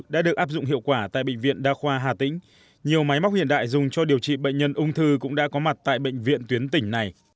đã được áp dụng bệnh viện đa khoa tỉnh hà tĩnh đã được áp dụng bệnh viện đa khoa tỉnh hà tĩnh